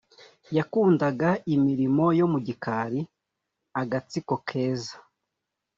yakundaga imirimo yo mu gikari, agatsiko keza.